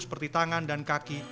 seperti tangan dan kaki